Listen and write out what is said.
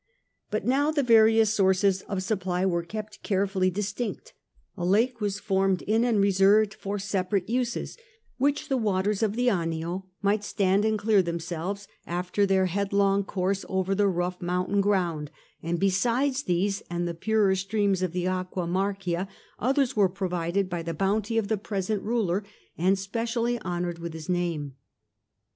But now the various sources of supply were kept carefully distinct, a lake was formed in and reserved for separate uses ; which the waters of the Anio might stand and clear themselves after their headlong course over the rough mountain ground ; and besides these and the purer streams of the Aqua Marcia, others were provided by the bounty of the present ruler and specially honoured with his name.